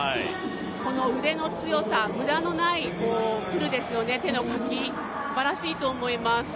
この腕の強さ、無駄のないプルですよね、手のかき、すばらしいと思います。